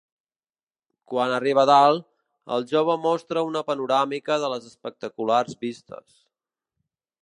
Quan arriba a dalt, el jove mostra una panoràmica de les espectaculars vistes.